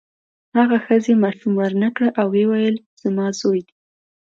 هغې ښځې ماشوم ورنکړ او ویې ویل زما زوی دی.